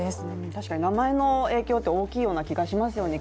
確かに名前の影響って大きいような気がしますよね。